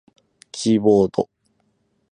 キーボード